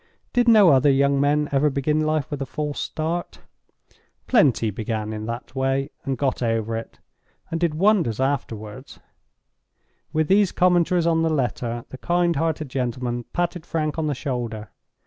Did no other young men ever begin life with a false start? Plenty began in that way, and got over it, and did wonders afterward. With these commentaries on the letter, the kind hearted gentleman patted Frank on the shoulder.